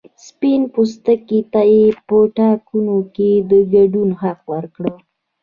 سپین پوستو ته یې په ټاکنو کې د ګډون حق ورکړ.